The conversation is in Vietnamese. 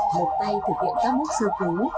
một tay thực hiện các bước sơ cứu